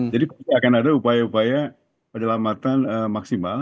jadi akan ada upaya upaya pada lamatan maksimal